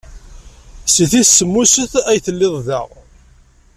Seg tis semmuset ay telliḍ da.